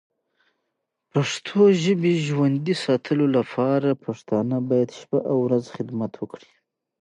پښتو ژبی ژوندی ساتلو لپاره پښتانه باید شپه او ورځ خدمت وکړې.